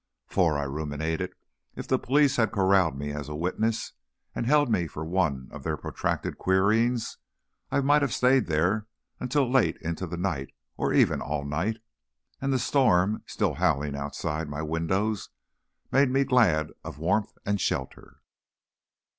For, I ruminated, if the police had corralled me as witness, and held me for one of their protracted queryings, I might have stayed there until late into the night or even all night. And the storm, still howling outside my windows, made me glad of warmth and shelter.